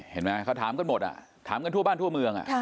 เห็นไหมเขาถามกันหมดถามกันทั่วบ้านทั่วเมือง